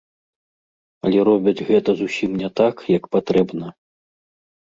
Але робяць гэта зусім не так, як патрэбна.